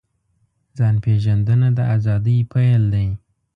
ځان پېژندنه د ازادۍ پیل دی.